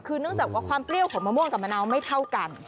คือเนื่องจากว่าความเปรี้ยวของมะม่วงกับมะนาวไม่เท่ากัน